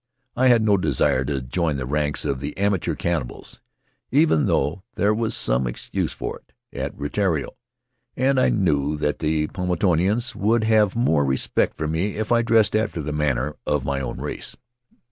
I had no desire to join the ranks of the amateur cannibals, even though there was some excuse for it at Rutiaro; and I knew that the Paumotuans would have more respect for me if I dressed after the manner of my own race.